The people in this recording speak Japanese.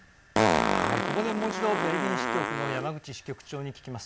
ここでもう一度ベルリン支局の山口支局長に聞きます。